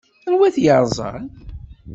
Anwa i t-yerẓan?